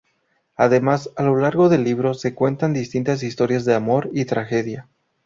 Además, a lo largo del libro se cuentan distintas historias de amor y tragedia.